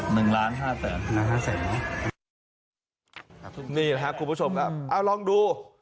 หนึ่งล้านห้าเศษหนึ่งล้านห้าเศษนี่แหละค่ะคุณผู้ชมครับอ้าวลองดู